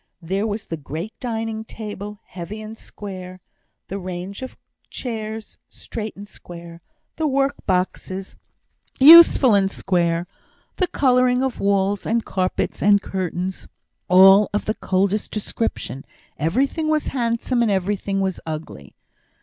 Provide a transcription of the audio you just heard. There was the great dining table, heavy and square; the range of chairs, straight and square; the work boxes, useful and square; the colouring of walls, and carpet, and curtains, all of the coldest description; everything was handsome, and everything was ugly.